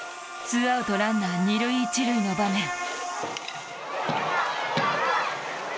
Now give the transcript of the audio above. ツーアウトランナー２塁１塁の場面。